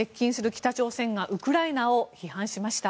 北朝鮮がウクライナを批判しました。